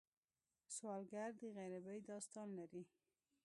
سوالګر د غریبۍ داستان لري